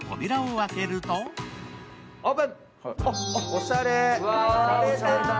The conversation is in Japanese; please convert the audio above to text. おしゃれ。